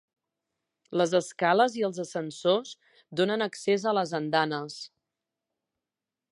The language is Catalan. Les escales i els ascensors donen accés a les andanes.